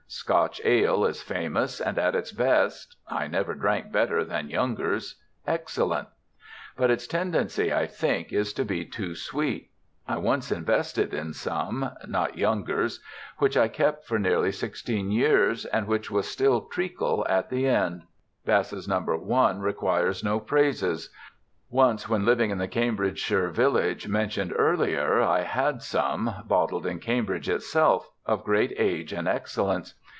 "Scotch ale" is famous, and at its best (I never drank better than Younger's) excellent: but its tendency, I think, is to be too sweet. I once invested in some not Younger's which I kept for nearly sixteen years, and which was still treacle at the end. Bass's No. 1 requires no praises. Once when living in the Cambridgeshire village mentioned earlier I had some, bottled in Cambridge itself, of great age and excellence.